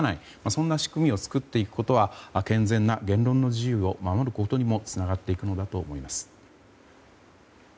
そんな仕組みを作っていくことは健全な言論の自由を守ることにもつながっていくのだと思います。